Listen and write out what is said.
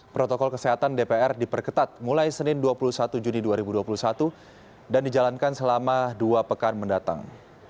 protokol kesehatan dpr diperketat mulai senin dua puluh satu juni dua ribu dua puluh satu dan dijalankan selama dua pekan mendatang